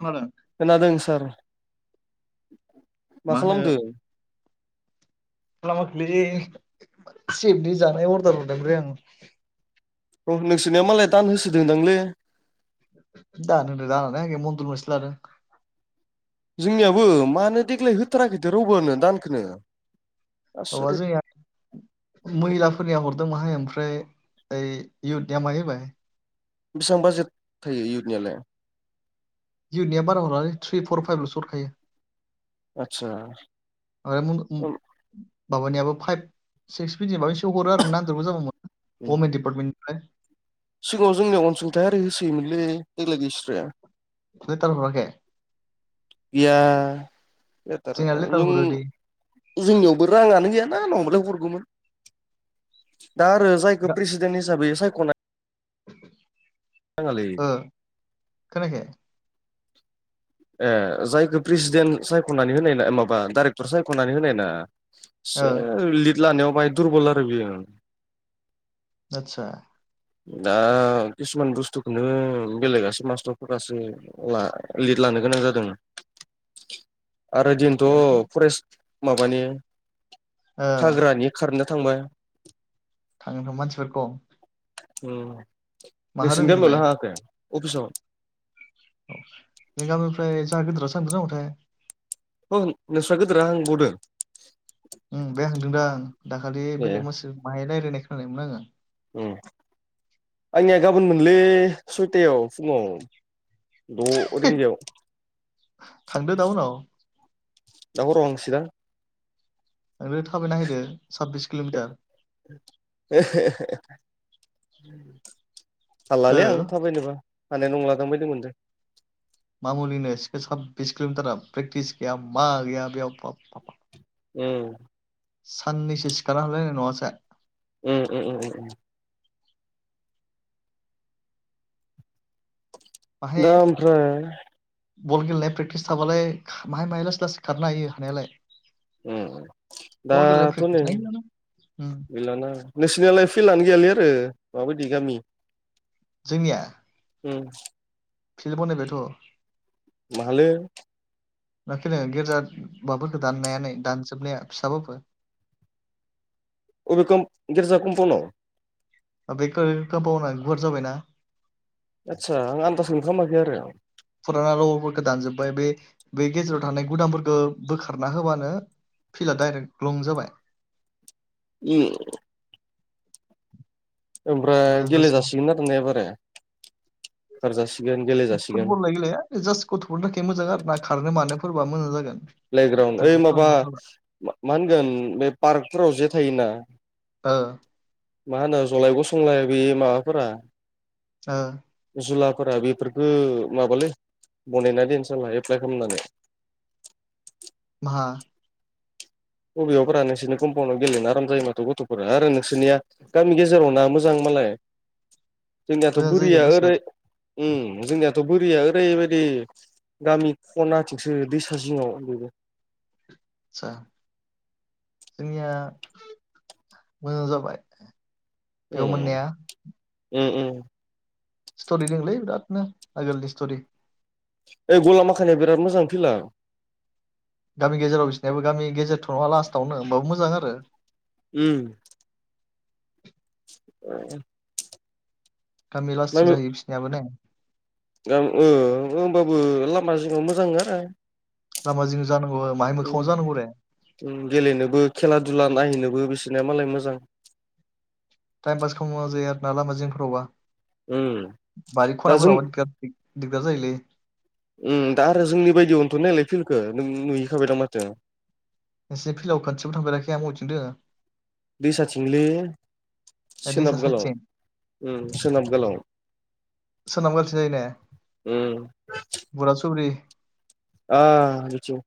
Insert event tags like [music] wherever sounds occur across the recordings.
खोनादों खोनादों सार मा खालामदों खालामाखैलै सेपनि जानाय अरदार हरलायबाय आं। नोंसोरनिया मालाय दान होसोदोंदांलै दानो होनो दानानै आ मन्दल मोनसे ला आरो जोंनियाबो मानो देग्लाय होथाराखैदो रावबोआनो दानखोनो आसरित आवाजै महलाफोरनिया हरदों माहाय ओमफ्राय ओइ इयुथनिया माहैबाय। बेसेबां बाजेट थायो इउथनियालाय इउनिया बारा हरनानै थ्रि फर फाइभल' हरखायो। आदसा माबाबो फाइ सिक्सनि हरो आरो नांदेरगौ जाबा मोनो हम डिपार्टमेन्टनिफ्राय। सिगाङाव जोंनियाव अनसुंथायाइारि होसोयोमोनलै देग्लाय गैसथ्राया लेटार हराखै जोंना लेटार हरो दि [unintelligible] जोंनियावबो राङानो गैयाना आंन हमबलाय हरगौमोन। दा आरो जायखौ दा प्रेसिडेन्ट हिसाबै सायख'नानै [inaudible] नाङालै ओ खोनाखै ए जायखौ प्रेसिडेन्ट सायख'नानै होनाय ना माबा डाइरेक्टर सायख'नानै होनाय ना ओ एसे लिड लानायाव बाहाय दुरबल आरो बियो। आतसा। दा किसुमान बुस्थुखौनो बेलेगासो मास्टाव फखासो। लिड लानो गोनां जादों। आरो दिनथ' ओ फरेस्ट माबानि हाग्रानि खारनो थांबाय [unintelligible] मानसिफोरखौ रों नोंसोरनि नोंलाय गामियावलाय हायाखै अफिसावनो औ [unintelligible] गामिनिफ्राय जोंहा गिदिरा थांदों नामाथाय औ नोंस्रा गिदोरा हांबावदों? बे हांदोंदां दाखालि ए बेलेग मानसि माहाय रायजायनाय खोनायमोन आङो। आंनिया गाबोन मोनलै सयथायाव फुङाव। द रिंगायाव। थांदो दा उनाव दा हराव हांसै दा। नोंनो थाबायना हायदो साबबिस किल'मिटार। [unintelligible] ओ हाललालै आं थाबायनोबा हानाय नंलादां बायदि मोनदों। मामुलि नङा साब्बिस किल'मिटारा प्रेक्टिस गैया मा गैया। बेयाव बाबबा उम। साननैसो सिखारना हरलायनाय न'आसा। ओ ओ ओ। दा बाहाय ओमफ्राय बल गेलेनाया प्रेकटिस थाबालाय माहाय माहाय लासै लासै खारनो हायो हानायालाय। बल गेलेनाय दाथ' प्रेक्टिस नै ना गैलाना। उम बेल' न नेसनेल फिल्डआनो गैयालै आरो माबायदि गामि। जोंनिया ओ। फिल्द बनायबायथ'। माहालै। [unintelligible] गिर्जा माबाफोरखौ दाननायनानै दानजोबनाया फिसाबाबो। अ बे कम गेरजा कम्पनाव बेखो-बेखो बावना गुवार जाबायना। आदसा आं आन्दाजखोनो खालामाखै आरो। फुराना रङफोरखौ दानजोब्बाय बे-बे गेजेराव थानाय गुदामफोरखौ बोखारना होबानो फिल्ड डाइरेक लं जाबाय। [unintelligible] ओमफ्राय गेले जासिगोन आरो ने एबारो बोखारजासिगोन गेलेजासिगोन। फुटबललाय गेलेया जास्ट गथ'फोरनि थाखाय मोजां आरो ना खारनो मानोफोरबा मोजां जागोन। प्ले ग्रावण्ड ओइ प्रेक्टिस माबा खालामनो फोरबा मा होनगोन बे पार्कफोराव जे थायोना। ओ। मा होनो जलाय गसंलाय बे माबाफोरा ओ। जुलाफोरा बेफोरखो माबालै बनायना दोन सारला एप्लाइ खालामनानै। [inaudible] मा। बबेयावबोरा नोंसोरनि कमप'ण्डआव गेलेनो आराम जायो माथो गथ'फोरा आरो नोंसोरनिया गामि गेजेरावना मोजां मालाय जोंनियाथ' मोजां जायो बोरिया दसे ओरै ओम जोंनियाथ' बोरिया ओरैबायदि गामि खना आथिंसो दैसा जिपङाव बेबो सा जोंनिया मोजां जाबाय। बेयाव मोननाया ओम-ओम-ओम। स्ट'रि दंलै बिरादनो आगोलनि स्ट'रि। ओ गलामाखानाया बिराद मोजां फिला। गामि गेजेराव बिसनायाबो गामि गेजेरथ' नङा लास्टावनो होमबाबो मोजां आरो। ओम। [unintelligible] गामि लाससो जायो बिसोरनिबो ने। गाम ओ होमबाबो लामा जिगाव मोजां आरो। लामा जिं जानांगौ माहाय मोखाङाव जानांगौ रे। ओम गेलेनोबो खेला दुला नायहैनोबो बिसोरनिया मालाय मोजां। टाइम पास खालामनो जायो आर ना लामा जोंफोरावबा। उम बारि दा जों खनाफोरावबा दिगदार थिग दिगदार जायोलै। ओम दा आरो जोंनि बायदियावनोथ' नायलाय फिलडखो नों नुहैखाबाय दां माथो। नोंसोर फिलडाव खाथियाव थांफेराखै आं मबेथिं दङो। दैसाथिंलै। ए सोनाब दैसा गोलाव साइदथिं ओम सोनाब गोलाव। सोनाबगालथिं ओम। बुरा सुब्रि अ बिथिं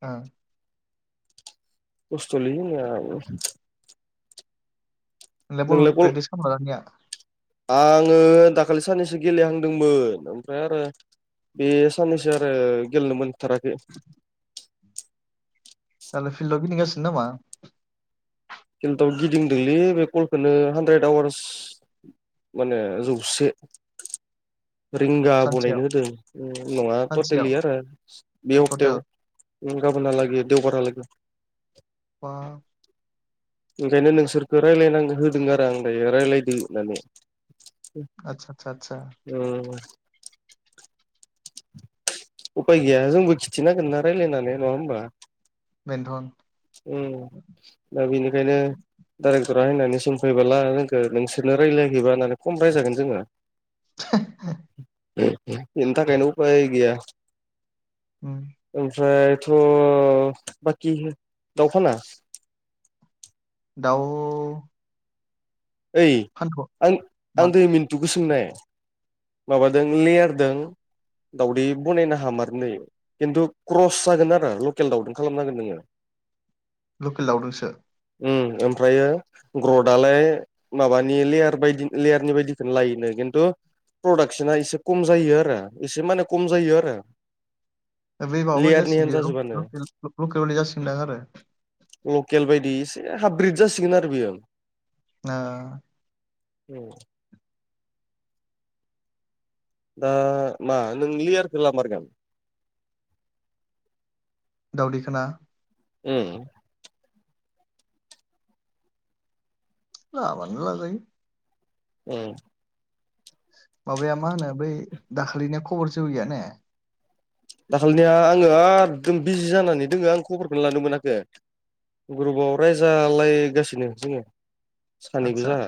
आ कस्थ' लै नै आबो नोंलाय बल प्रेटिस खालामला दानिया आङो दाखालि साननैसो गेलेहांदोंमोन ओमफ्राय आरो बे साननैसो आरो गेलेनो मोनथाराखै। दालाय फिल्डआव गिंदिंगासिनो नामा। गिलथआव गिदिंदोंलै बे गलखौनो हानद्रेद आवार्स माने जौसे रिंगा सानसेयाव बनायनो होदों नङा सानसेयाव टटेलि आरो बे टटेल हप्तायाव ओ गाबोनहा लागै देवबारहालागै बा ओंखायनो नोंसोरखो रायलायना होदों आरो आं दायो रायज्लायदो होननानै। आतसा आसा आसा। ओम। उफाय गैया जोंबो खिथिनांगोन ना रायज्लायनानै नङा होनोमबा? बेनथन ओम दा बेनिखायनो डाइरेक्टरा होयनानै सोंफायबाला जोंखो नोंसोरनो रायज्लायाखैबा होननानै खमा रायलायगोन जोङो। [inaudible] बेनि थाखायनो गैया। उम। ओमफ्रायथ' बाखि दाउ फाना? दाउ ओइ फानथ आं आं मा दै मिन्थुखौ सोंनाय माबादों लेयारदों दाउदै बनायनो हामारनो। खिन्थु क्रस जागोन आरो लकेल दाउदों खालामनांगोन नोङो। लकेल दावदोंसो? उम। ओमफ्रायो ग्रदालाय माबानि लेयार बायदि लेयारनि बायदिखो लायोनो खिन्थु प्रडाक्सना एसे खम जायो आरो, एसे माने खम जायो आरो। बे माबाबादि लेयारनि जासिगोन हेन बेयो जाजोबानो लक-लकेल लक-लकेलबादि जासिगोनदां आरो। लकेल बायदि एसे हाब्रिद जासिगोन आरो बियो। ओ। उम। दा मा नों लियारखो लामारगोन? दावदैखोना? उम। लाबानो लाजायो। उम। माबाया मा होनो बै दाखालिनिषा खबर सबर गैया ने? दाखालिनिया आङो आदोम बिजि जानानै दोङो आं खबरखौनो लानो मोनाखै। ग्रुपआव रायजालायगासिनो जोङो। सानैबो आदसा जोंहा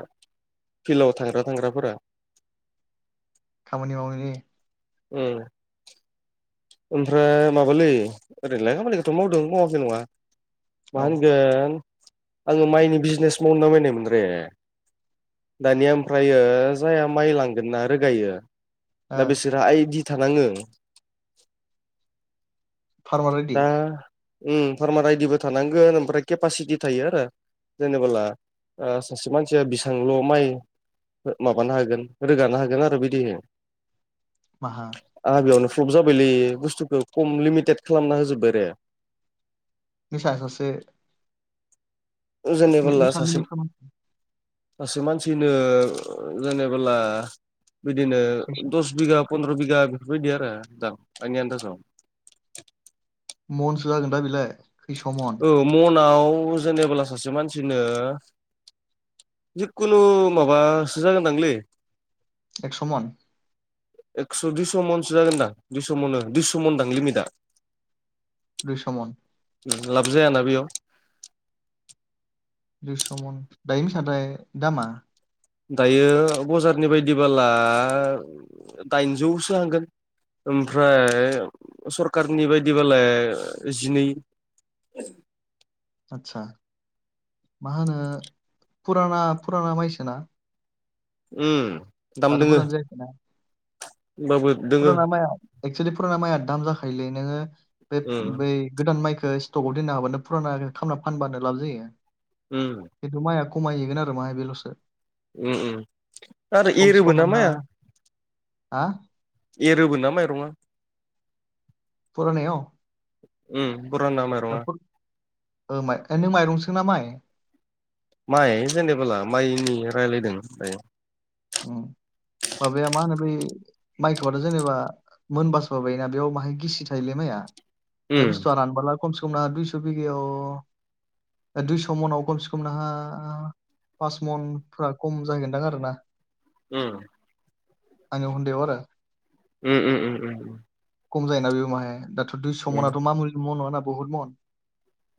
फिल्डआव थांग्रा थांग्राफोरा। खामानि मावनायनि उम। ओमफ्राय माबालै ओरैनोलाय खामानिखौथ' मावदों मावाखै नङा। औ मा ओ होनगोन आङो माइनि बिजनेस मावनो नामायनायमोन रे। दानिया ओमफ्रयो जाया माइ लांगोन ना ना रोगायो। दा बिसोरहा आइदि थानाङो। फार्मार [inaudible] रेडि दा उम फारमार आयदिबो थानांगोन ओमफ्राय केपासिटि थायो आरो। जेनेबाला ओ सासे मानसिया बेसेबांल' माइ माबानो हागोन रोगानो हागोन आरो बिदि। माहा? आंहा बेयावनो प्लब जाबायलै बुस्थुखौ खम लिमिटेद खालामना होजोब्बाय रे। बिसहाजारसो ओजोंनिबोला मिसानि सासे सासे मानसिनो जेनेबोला बिदिनो दस बिगा पन्द्र' बिगा बेफोरबायदि आरो दा आंनि आनन्दासाव। मनसो जागोन दा बेलाय खैस' मन? औ मनाव जेनेबोला सासे मानसिनो जिखुनु माबासो जागोनदांलै एक्स' मन। एक्स' दुइस' मनसो जागोनदां दुइस' मन दुइस' मन दां लिमिटआ। दुइस' मन। लाब जायाना बेयाव? दुइस' मन दायो बेसांथाय दामा? दायो बजारनि बायदिबोला दाइनजौसो हांगोन। ओमफ्राय सरखारारनि बायदिबालाय जिनै आदसा मा होनो फुराना फुराना माइसोना। उम दाम आरो दोङो गोदान जायाखैना होनबाबो फुराना माइआ एक्सुेलि फुराना माइआ दाम जाखायोलै नोङो बे उम बै गोदान माइखो स्टकआव दोननो हाब्लानो फुराना खामना फानबानो लाब जायो। उम। खिन्थु माइआ खमायहैगोन आरो माहाय बेल'सो उम उम आरो खमसे एरोबो खम ना नोंहा माया हा एरोबो ना माइरंङा फुरानायाव उम। बुराना माइरङा [unintelligible] नों माइरंसो ना माइ माइ जेनेबोला माइनि रायज्लायदों दायो। उम [inaudible] माबाया मान बै माइखौथ' जेनेबा मोनबास बायोना बेयाव माहाय गिसि थायोलै माइआ बे उम बुस्थुआ रानबोला खमसे खमना दुइस' बिगायाव दुइस' मनाव खमसे खम नोंहा फास मनफ खम जाहैगोनदां आरोना। उम। आं हनदेगाव आरो। उम उम उम। खम जायोना बे माहाय दाथ' दुइस' उम मनाथ' मा मुुलि म नङा ना बुहुत मन।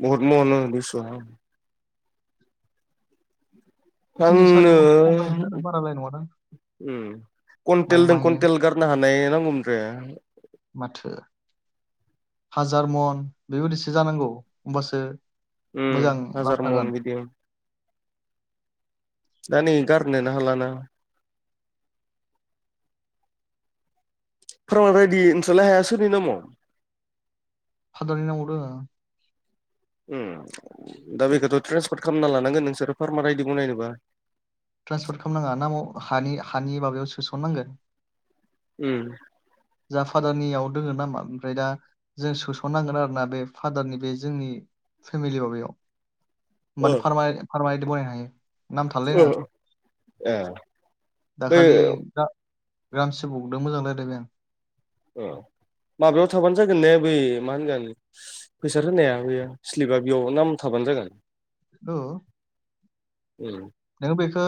बहुत मन [unintelligible] आं तिनि सारि नो मनसो खम जाहैगोन आरो बाराद्राय नङादां उम माइ कुवन्टेलजों माहैनो कुवन्टेल गारनो हानाय नांगौमोन रे माथो हाजार मन बेबायदिसो जानांगौ होमबासो उम मोजां हाजार लाब मन थागोन। बिदि दा नै गारनो हाला ना [unintelligible] फादारनि नामाव दोङो। उम दा बेखौथ' ट्रेन्सफर्ट खालामना लानांगोन नोंसोरो फार्मार आायदि बुं नायनोबा। ट्रेन्सपर्ट खालामनाङा ना हानि हानि माबायाव सोसनांगोन। उम जा फादारनियाव दोङो नामा ओमफ्राय दा जों सोसननांगोन आरोना बे फादारनि बे जोंनि फेमिलि माबायाव मान ओ फारम फारमल मोन। नाम ओ थालायनाङा ए बै दाखालि जा ग्राम सेबगदो मोजां रायलायबाय आं। ओ माबायाव थाबानो जागोन ने बै मा होनगोन फैसा होनाया बेयो स्लिपा बेयाव नाम थाबानो जागोन औ उम नोङो बेखौ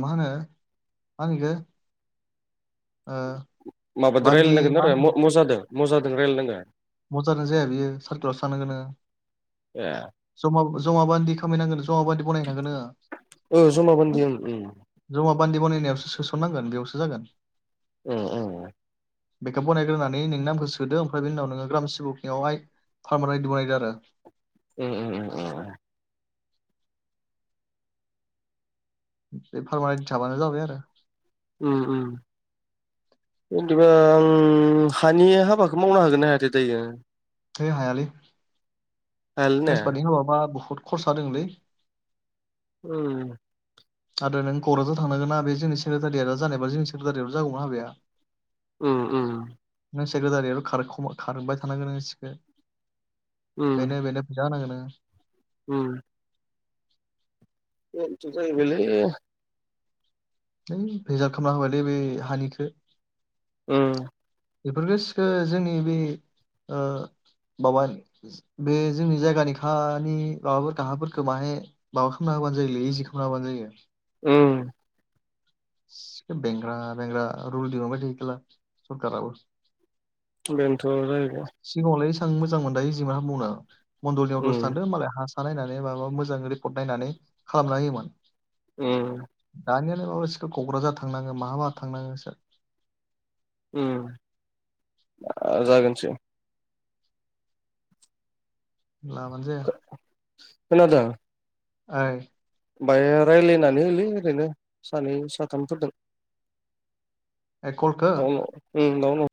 मा होनो मा होनो बिखौ आ माबादो रायलायनांगोन आरो म-मजादो मजादों रायलाय नांगो। मोजानो जाया बियो सारकलावसो थांनांगोन नोङो। ए जमा जमा बान्दि खामायनांगोन जमा बान्दि बनाय हैनांगोन नोङो। ओ जमा बान्दि ओं उम जमा बान्दि बनायनायावसो सोसननांगोन बेयावसो जागोन। अ अ बेखो फरायग्रोनानै नोंनि नामखौ सोदो ओमफ्राय बेनि उनाव नोङो ग्राम सिबकनियावहाय फार्मार आयदि बनायदो आरो। उम उम उम उम बे पारमानेन्ट थाबानो जाबाय आरो उम उम बिदिबा आं हानि हाबाखौ मावनो हागोनना हायाथाय दायो? थै हायालै। हायालै ने ट्रेन्सपारदिं खालामबा बुहुत खरसा दोङोलै उम आद्रा नों क'क्राझार थांनांगोना बे जोंनि सेक्रेटारियेटआ जानायबा जोंनि सेक्रेटारियाव जागौमोन हाबाया। उम उम नों सेक्रेटारियेदाव खारखुम-खारबाय थानांगोन नोंङो सिखो उम बेनो बेनो फैसा होनांगोन नोंङो। उम बेनोथ जाहैबायलै हैइ भेजाल खालामना होबायलै बै हानिखो। उम बेफोरखो सिखो जोंनि बे ओ माबा बे जोंनि जायगानि खानि माबाफोरखो हाफोरखो माने माबा खालामना होबानो जायोलै इजि खालामना होबानो जायो। उम सिखो बेेंग्रा बेंग्रा रूल दिहुनबाय थायो केला। [unintelligible] बेन्थ' जाहैबाय सिगाङावलाय एसां मोजांमोन बाहाय इजिमोन हाबा मावनो मण्दलनियाव उम दसे थांदों मालाय हा नायनानै माबा मोजां रिपर्ट नायनानै खालामना होयोमोन। उम दानिया माबा सिखो क'क्राझार थांनांगो माहाबा थांनाङो सिखो उम दा जागोनसै लाबानो जाया। खोनादों? ओइ बाय रायलायनानै होलै ओरैनो सानै साथामफोरदों [unintelligible] औ उम नआवनो दं।